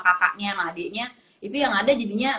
kakaknya sama adiknya itu yang ada jadinya